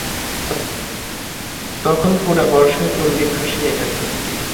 তখন পুরা বর্ষায় পল্লী ভাসিয়া গেছে।